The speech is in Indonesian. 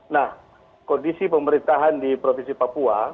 nah kondisi pemerintahan di provinsi papua